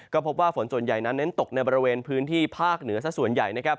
ก็พบว่าฝนส่วนใหญ่นั้นตกในบริเวณพื้นที่ภาคเหนือซะส่วนใหญ่